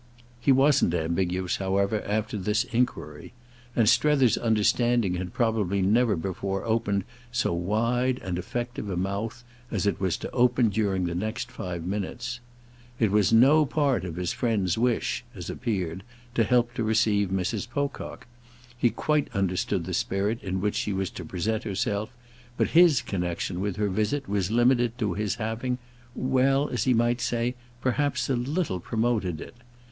He wasn't ambiguous, however, after this enquiry; and Strether's understanding had probably never before opened so wide and effective a mouth as it was to open during the next five minutes. It was no part of his friend's wish, as appeared, to help to receive Mrs. Pocock; he quite understood the spirit in which she was to present herself, but his connexion with her visit was limited to his having—well, as he might say—perhaps a little promoted it.